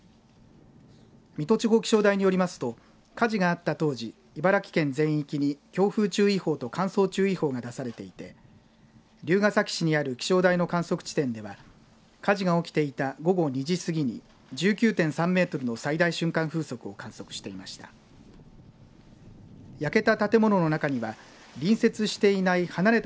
水戸地方気象台によりますと火事があった当時、茨城県全域に強風注意報と乾燥注意報が出されていて龍ケ崎市にある気象台の観測地点では火事が起きていた午後２時すぎに１９．３メートルの最大瞬間風速を観測していました。